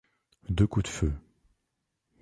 Deux coups de feu —